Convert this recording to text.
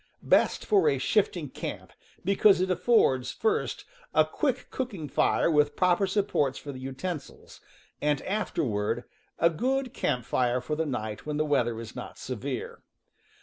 — Best for a shifting camp, be cause it affords, first, a quick cooking fire with proper supports for the utensils, and afterward a good camp fire for the night when the weather is not severe.